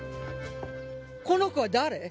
この子は誰？